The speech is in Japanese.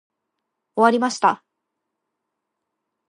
終わりました。